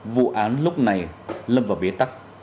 vụ án lúc này lâm vào bia tắc